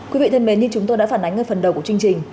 quý vị thân mến như chúng tôi đã phản ánh ở phần đầu của chương trình